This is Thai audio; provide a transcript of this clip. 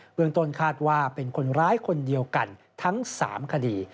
เมืองต้นคาดว่าเป็นคนร้ายคนเดียวกันทั้ง๓คดี